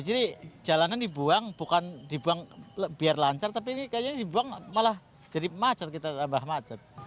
jadi jalanan dibuang bukan dibuang biar lancar tapi ini kayaknya dibuang malah jadi macet kita tambah macet